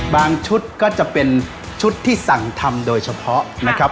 บางชุดก็จะเป็นชุดที่สั่งทำโดยเฉพาะ